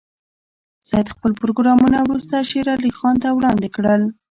سید خپل پروګرامونه وروسته شېر علي خان ته وړاندې کړل.